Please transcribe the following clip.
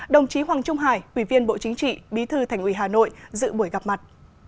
đồng chí hoàng trung hải ủy viên bộ chính trị bí thư thành ủy hà nội dự buổi gặp mặt